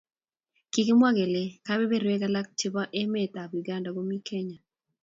kikimwa kele keberberwek alak chebo emet ab Uganda komii Kenya